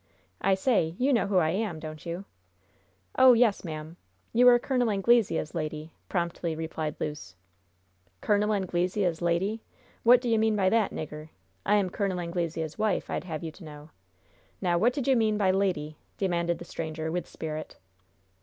"I say, you know who I am, don't you?" "Oh, yes, ma'am. You are Col. Anglesea's lady," promptly replied Luce. "'Col. Anglesea's lady?' What do you mean by that, nigger? I am Col. Anglesea's wife, I'd have you to know! Now, what did you mean by 'lady'?" demanded the stranger, with spirit.